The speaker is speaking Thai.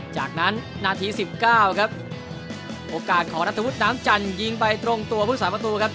จากนั้นนาทีสิบเก้าครับโอกาสของรัฐวุฒิน้ำจันทร์ยิงไปตรงตัวพุทธศาสประตูครับ